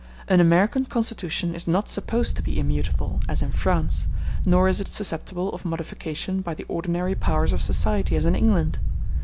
An American constitution is not supposed to be immutable as in France, nor is it susceptible of modification by the ordinary powers of society as in England.